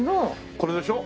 これでしょ？